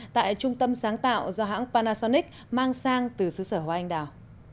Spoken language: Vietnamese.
tại trung tâm sáng tạo do hãng panasonic mang sang từ xứ sở hoa anh đào